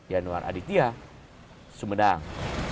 yanuar aditya semedang